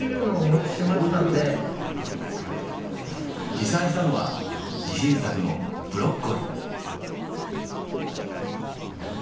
持参したのは、自信作のブロッコリー。